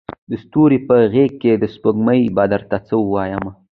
ستوري په غیږکي د سپوږمۍ به درته څه وایمه